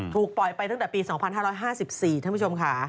ถูกปล่อยไปตั้งแต่ปี๒๕๕๔ท่านผู้ชมค่ะ